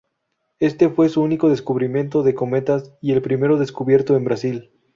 Este fue su único descubrimiento de cometas, y el primero descubierto en Brasil.